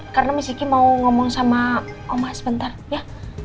karena miss kiki mau ngomong sama oma sebentar ya